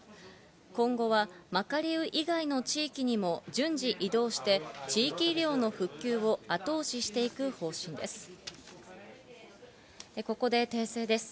今後はマカリウ以外の地域にも順次移動して、地域医療の復旧を後押ししていく方針です。